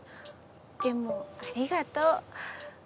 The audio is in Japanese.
でもありがとう。